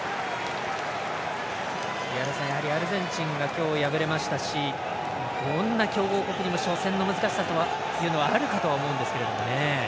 アルゼンチンが今日、敗れましたしどんな強豪国にも初戦の難しさというのはあるかとは思うんですけどね。